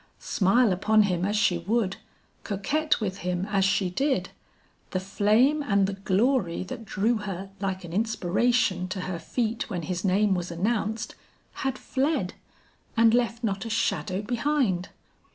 Smile upon him as she would, coquet with him as she did, the flame and the glory that drew her like an inspiration to her feet when his name was announced, had fled, and left not a shadow behind.